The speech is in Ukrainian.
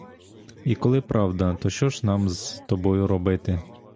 І коли правда, то що ж нам з тобою робити?